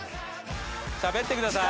しゃべってください！